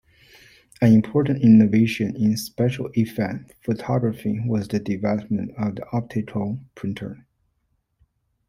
An important innovation in special-effects photography was the development of the optical printer.